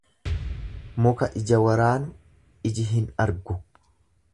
Muka ija waraanu iji hin argu.